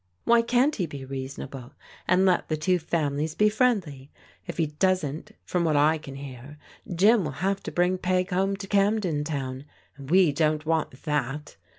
Why can't he be reason able and let the two families be friendly? If he doesn't, from what I can hear, Jim will have to bring Peg home to Camden Town, and we don't want that.